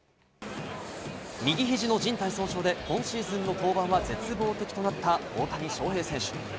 右肘の靱帯損傷で今シーズンの登板は絶望的となった、大谷翔平選手。